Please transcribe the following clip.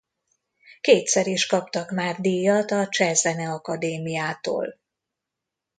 Kétszer is kaptak már díjat a Cseh Zeneakadémiától.